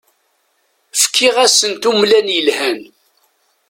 Fkiɣ-asent umlan yelhan.